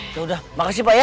ya udah makasih pak ya